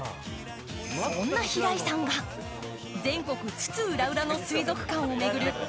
そんな平井さんが全国津々浦々の水族館を巡る